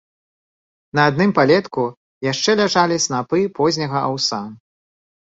На адным палетку яшчэ ляжалі снапы позняга аўса.